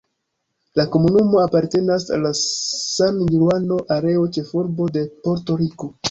La komunumo apartenas al la San-Juano areo, ĉefurbo de Porto-Riko.